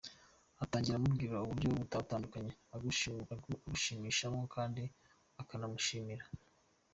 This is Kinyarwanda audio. Utangira umubwira uburyo butandukanye agushimishamo kandi uknamushimira.